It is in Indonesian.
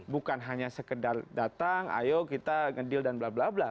bukan hanya sekedar datang ayo kita ngedil dan blablabla